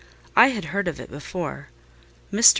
I had heard of it before. Mr.